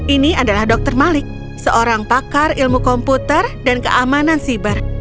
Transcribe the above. ini adalah dr malik seorang pakar ilmu komputer dan keamanan siber